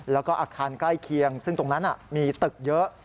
แล้วก็อาคารใกล้เคียงซึ่งตรงนั้นมีตึกเยอะ